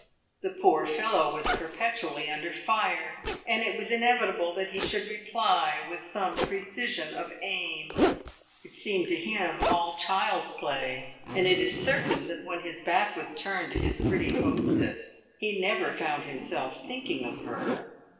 The poor fellow was perpetually under fire, and it was inevitable that he should reply with some precision of aim. It seemed to him all child's play, and it is certain that when his back was turned to his pretty hostess he never found himself thinking of her.